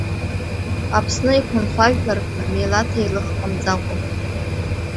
Аԥсны иқәнхоу ажәларқәа, милаҭеилых ҟамҵакәа.